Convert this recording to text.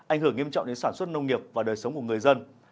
ảnh hưởng nghiêm trọng đến sản xuất nông nghiệp và đời sống của người dân